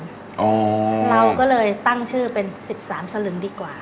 เราก็เลยตั้งชื่อเป็น๑๓สลึงดีกว่า